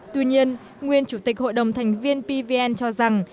tuy nhiên nguyên chủ tịch hội đồng thành viên pvn cho rằng